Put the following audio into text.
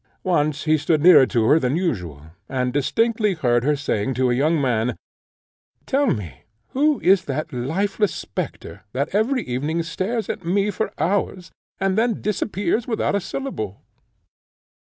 Once he stood nearer to her than usual, and distinctly heard her saying to a young man, "Tell me, who is that lifeless spectre, that every evening stares at me for hours, and then disappears without a syllable?"